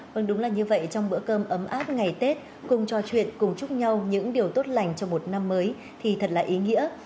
vâng đúng là như vậy trong bữa cơm ấm áp ngày tết cùng trò chuyện cùng chúc nhau những điều tốt lành cho một năm mới thì thật là ý nghĩa